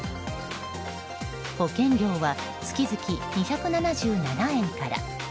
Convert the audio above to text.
保険料は月々２７７円から。